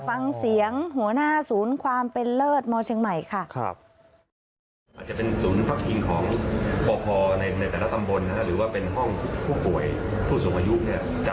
ฟังเสียงหัวหน้าศูนย์ความเป็นเลิศมชค่ะ